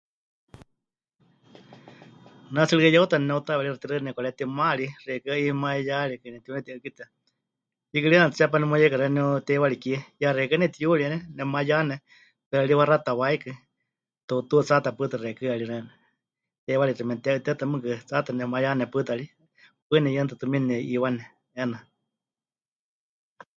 Ne tsɨ rikɨ yeuta neneutaweeríxɨ tixaɨ nepɨkaretima ri, xeikɨ́a 'imayarikɨ nepɨtiuneti'ɨ́kitɨa, hiikɨ ri 'eena tsepá nemuyeika xeeníu teiwari kie, yaxeikɨ́a nepɨtiyuriene, nepɨmayane, pero ri waxáta waikɨ, tuutú tsaata pɨta xeikɨ́a ri xeeníu, teiwarixi memɨte'iteɨta mɨɨkɨ tsaata nepɨmayane pɨta ri. Paɨ neyɨaneti tumiini nepɨ'iiwane 'eena.